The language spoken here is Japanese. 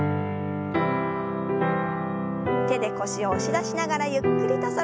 手で腰を押し出しながらゆっくりと反らせます。